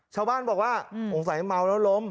ชาวบ้านบอกว่าอาวุธอมแฮงว้างแล้วล้ม